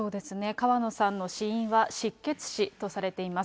川野さんの死因は失血死とされています。